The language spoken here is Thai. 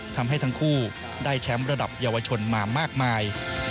ทำให้ทั้งคู่ได้แชมป์ระดับเยาวชนมามากมาย